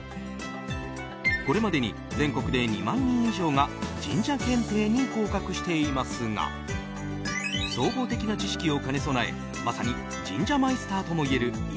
これまでに全国で２万人以上が神社検定に合格していますが総合的な知識を兼ね備えまさに神社マイスターともいえる壱